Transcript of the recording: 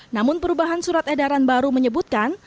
namun perubahan surat edaran baru menyebutkan